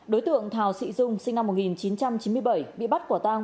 đối tượng thảo thị dung sinh năm một nghìn chín trăm chín mươi bảy bị bắt quả tang